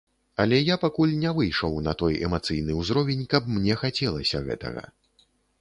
Але я пакуль не выйшаў на той эмацыйны ўзровень, каб мне хацелася гэтага.